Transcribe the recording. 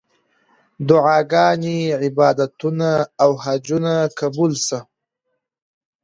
دعاګانې، عبادتونه او حجونه قبول سه.